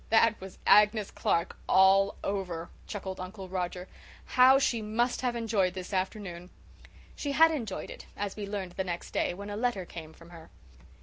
"That was Agnes Clark all over," chuckled Uncle Roger. "How she must have enjoyed this afternoon!" She had enjoyed it, as we learned the next day, when a letter came from her.